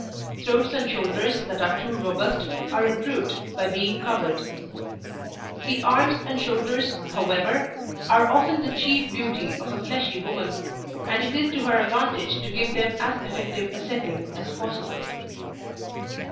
Throats and shoulders that are too robust are improved by being covered. The arms and shoulders, however, are often the chief beauty of a fleshy woman, and it is to her advantage to give them as effective a setting as possible.